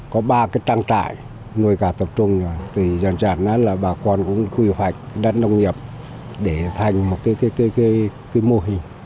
có ba cái trang trại nôi cả tập trung rồi thì dần dần là bà con cũng quy hoạch đất nông nghiệp để thành một cái mô hình